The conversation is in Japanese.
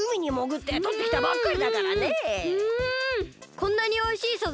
こんなにおいしいサザエ